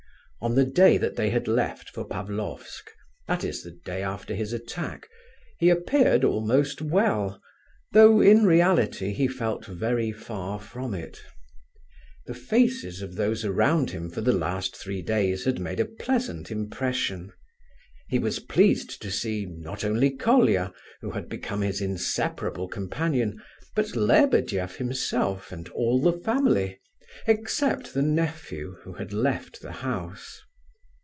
On the day that they left for Pavlofsk, that is the day after his attack, he appeared almost well, though in reality he felt very far from it. The faces of those around him for the last three days had made a pleasant impression. He was pleased to see, not only Colia, who had become his inseparable companion, but Lebedeff himself and all the family, except the nephew, who had left the house.